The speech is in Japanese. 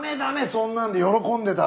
そんなんで喜んでたら。